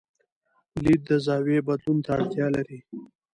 لید د زاویې بدلون ته اړتیا لري.